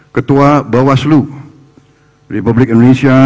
ketua bawaslu republik indonesia